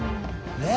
ねえ？